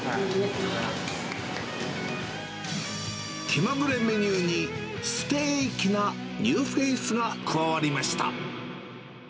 気まぐれメニューに、ステーキなニューフェースが加わりました。